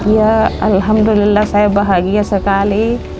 ya alhamdulillah saya bahagia sekali